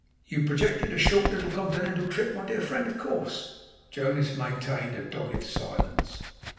You projected a short little continental trip, my dear friend, of course?' Jonas maintained a dogged silence.